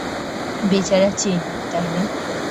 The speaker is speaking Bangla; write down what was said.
বেচারা চেনি, তাই না?